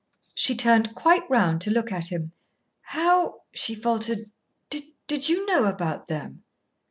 She turned quite round to look at him. "How," she faltered, "did you know about them?"